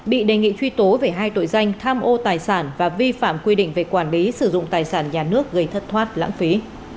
bị đề nghị truy tố về hai tội danh tham ô tài sản và vi phạm quy định về quản lý sử dụng tài sản nhà nước gây thất thoát lãng phí